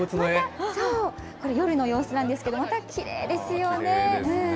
そう、これ、夜の様子なんですけど、またきれいですよね。